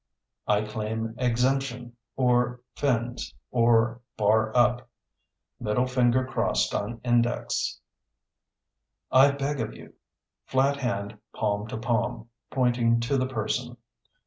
I claim exemption, or "Fins" or "Bar up" (Middle finger crossed on index). I beg of you (Flat hand palm to palm, pointing to the person).